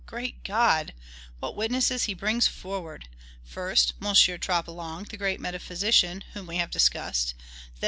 Great God! what witnesses he brings forward! First, M. Troplong, the great metaphysician, whom we have discussed; then, M.